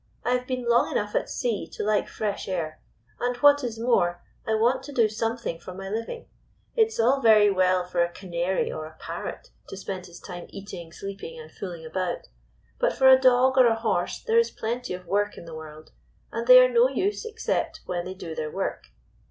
I have been long enough at sea to like fresh air. And, what is more, I want to do something for my living. It is all very well for a canary 228 IN SAFE HARBOR or a parrot to spend liis time eating, sleeping and fooling about, but for a dog or a liorse there is plenty of work in the world, and they are no use except when they do their work."